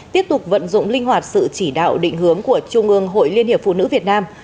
tiếp tục vận dụng linh hoạt sự chỉ đạo định hướng của trung ương hội liên hiệp phụ nữ việt nam